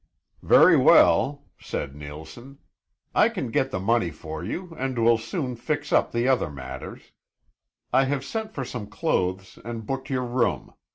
"Very well," said Neilson, "I can get the money for you and will soon fix up the other matters. I have sent for some clothes and booked your room.